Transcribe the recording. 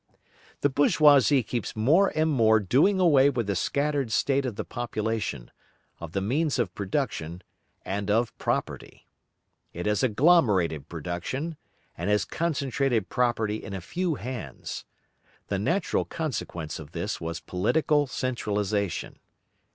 The bourgeoisie keeps more and more doing away with the scattered state of the population, of the means of production, and of property. It has agglomerated production, and has concentrated property in a few hands. The necessary consequence of this was political centralisation.